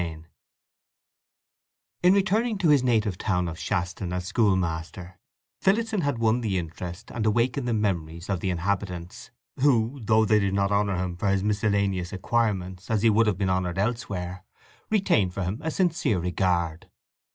VI In returning to his native town of Shaston as schoolmaster Phillotson had won the interest and awakened the memories of the inhabitants, who, though they did not honour him for his miscellaneous acquirements as he would have been honoured elsewhere, retained for him a sincere regard.